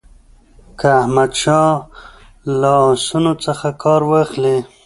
که احمدشاه له آسونو څخه کار واخلي.